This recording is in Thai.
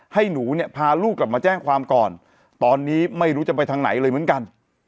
ให้หนูเนี่ยพาลูกกลับมาแจ้งความก่อนตอนนี้ไม่รู้จะไปทางไหนเลยเหมือนกัน